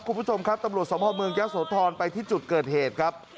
คุณผู้ชมครับตำรวจสมภาพเมืองยะโสธรไปที่จุดเกิดเหตุครับ